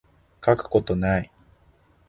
書くことない